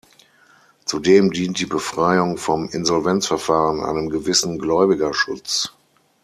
Zudem dient die Befreiung vom Insolvenzverfahren einem gewissen Gläubigerschutz.